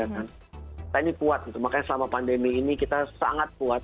kita ini kuat makanya selama pandemi ini kita sangat kuat